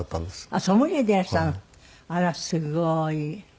あらすごい。